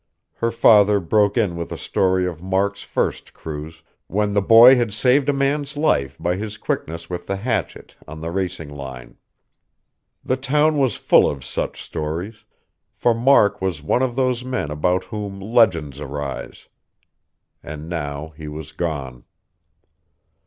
Her father broke in with a story of Mark's first cruise, when the boy had saved a man's life by his quickness with the hatchet on the racing line. The town was full of such stories; for Mark was one of those men about whom legends arise. And now he was gone....